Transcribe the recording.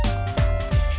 nenek ambil sarapan